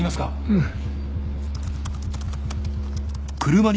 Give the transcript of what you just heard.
うん。